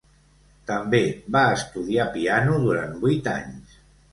També va estudiar piano durant vuit anys.